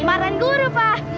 marahin guru pak